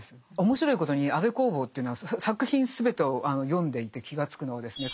面白いことに安部公房というのは作品全てを読んでいて気がつくのはですね